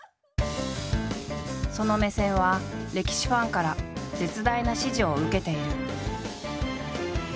その目線は歴史ファンから絶大な支持を受けている。